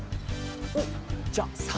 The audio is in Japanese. おっじゃあさば。